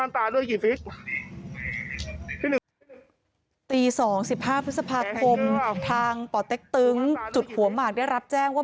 ตี๒๑๕พฤษภาคมทางป่อเต็กตึงจุดหัวหมากได้รับแจ้งว่า